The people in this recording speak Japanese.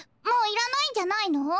もういらないんじゃないの？